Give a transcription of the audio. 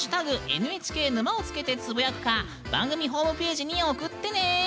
「＃ＮＨＫ沼」をつけてつぶやくか番組ホームページに送ってね！